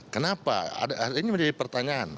kenapa ini menjadi pertanyaan